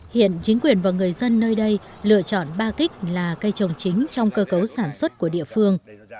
hiện chính quyền và người dân nơi đây lựa chọn ba kích là cây trồng chính trong cơ cấu sản xuất của địa phương